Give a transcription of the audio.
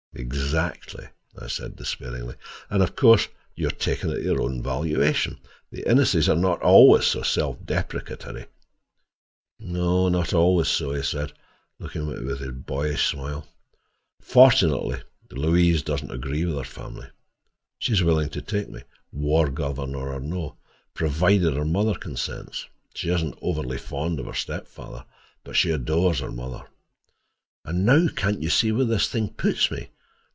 "Exactly," I said despairingly, "and, of course, you are taken at your own valuation. The Inneses are not always so self depreciatory." "Not always, no," he said, looking at me with his boyish smile. "Fortunately, Louise doesn't agree with her family. She's willing to take me, war governor or no, provided her mother consents. She isn't overly fond of her stepfather, but she adores her mother. And now, can't you see where this thing puts me?